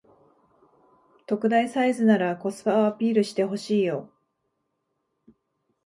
特大サイズならコスパをアピールしてほしいよ